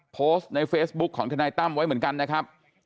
โพสต์ในเฟซบุ๊คของทนายตั้มไว้เหมือนกันนะครับ